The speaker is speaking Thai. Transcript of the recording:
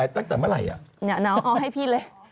ตั้งแต่เมื่อไหร่น้องเอาให้พี่เลย